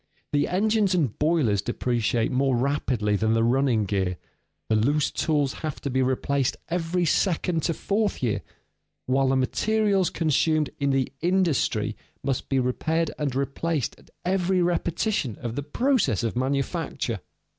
The engines and boilers depreciate more rapidly than the running gear; the loose tools have to be replaced every second to fourth year; while the materials consumed in the industry must be repaired and replaced at every repetition of the process of manufacture.